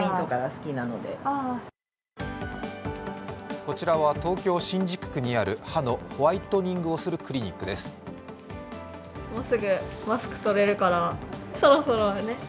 こちらは東京・新宿区にある歯のホワイトニングをするクリニックです。